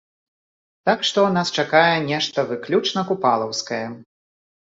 Так што нас чакае нешта выключна купалаўскае.